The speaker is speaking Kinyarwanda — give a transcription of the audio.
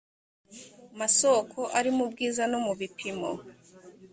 masoko ari mu bwiza no mu bipimo